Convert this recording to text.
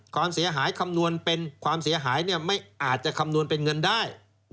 ความเสียหายคำนวณเป็นความเสียหายไม่อาจจะคำนวณเป็นเงินได้